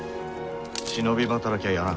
忍び働きはやらん。